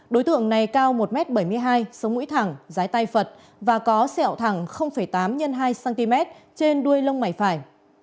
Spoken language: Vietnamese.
đối tượng này cao một m bảy mươi hai sống mũi thẳng rái tay phật và có sẹo thẳng tám x hai cm trên đuôi lông mày phải